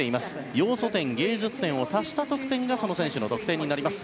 要素点、芸術点を足した得点がその選手の得点になります。